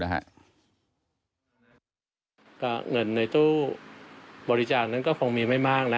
ก็เงินในตู้บริจาคนั้นก็คงมีไม่มากแล้ว